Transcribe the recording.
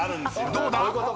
どうだ！？